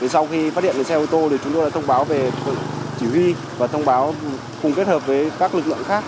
sau khi phát hiện xe ô tô chúng tôi đã thông báo về chỉ huy và thông báo cùng kết hợp với các lực lượng khác